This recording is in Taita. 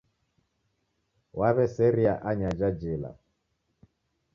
Waw'eseria anyaja jela.